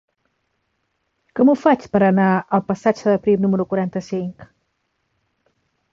Com ho faig per anar al passatge de Prim número quaranta-cinc?